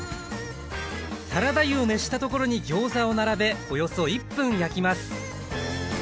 サラダ油を熱したところにギョーザを並べおよそ１分焼きます